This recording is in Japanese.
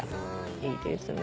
いいですね。